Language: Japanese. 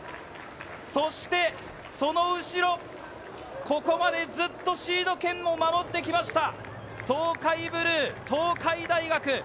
そしてその後ろ、ここまでずっとシード権を守ってきました東海ブルー、東海大学。